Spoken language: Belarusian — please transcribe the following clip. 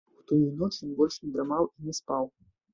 У тую ноч ён больш не драмаў і не спаў.